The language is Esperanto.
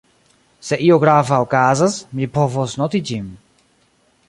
Se io grava okazas, mi povos noti ĝin.